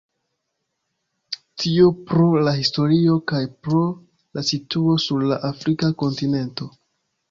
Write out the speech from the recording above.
Tio pro la historio kaj pro la situo sur la afrika kontinento.